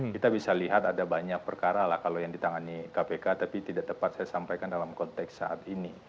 kita bisa lihat ada banyak perkara lah kalau yang ditangani kpk tapi tidak tepat saya sampaikan dalam konteks saat ini